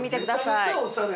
◆めちゃめちゃおしゃれ。